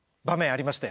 ありました。